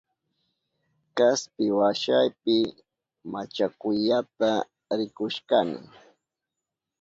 Kaspi washapi machakuyata rikushkani.